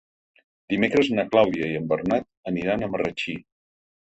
Dimecres na Clàudia i en Bernat aniran a Marratxí.